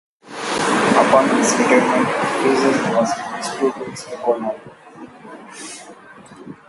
Upon his retirement, Fiscus was reduced two grades, to colonel.